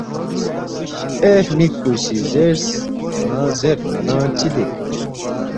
اے ہرمِکپو سی زیرس، ”اون٘ا زیر ن٘دانگ چِہ بیک؟“